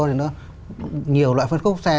thì nó nhiều loại phân khúc xe